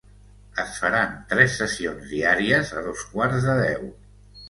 Es faran tres sessions diàries: a dos quarts de deu.